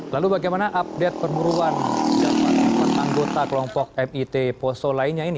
lalu bagaimana update perburuan dari anggota kelompok mit poso lainnya ini